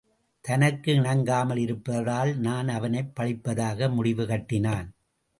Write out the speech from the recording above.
தனக்கு இணங்காமல் இருப்பதால், நான் அவனைப் பழிப்பதாக முடிவு கட்டினான்.